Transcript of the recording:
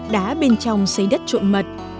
đá bên trong xây đất trộn mật